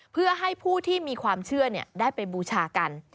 เพื่อให้ผู้ที่มีความเชื่อได้ไปบูชากัน